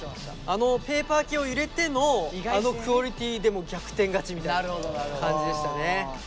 あのペーパー系を入れてのあのクオリティーでもう逆転勝ちみたいな感じでしたね。